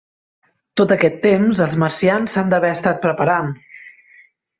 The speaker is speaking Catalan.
Tot aquest temps, els marcians s'han d'haver estat preparant.